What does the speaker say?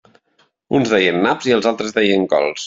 Uns deien naps i els altres deien cols.